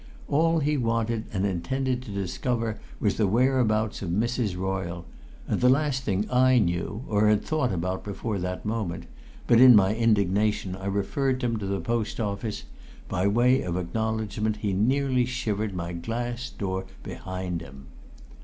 All he wanted and intended to discover was the whereabouts of Mrs. Royle the last thing I knew, or had thought about before that moment but in my indignation I referred him to the post office. By way of acknowledgment he nearly shivered my glass door behind him.